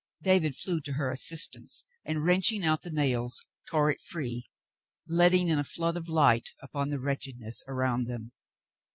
David flew to hei assistance and, wrenching out the nails, tore it free, let ting in a flood of light upon the wretchedness around them.